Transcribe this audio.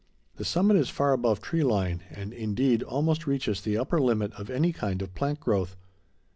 The summit is far above tree line and, indeed, almost reaches the upper limit of any kind of plant growth.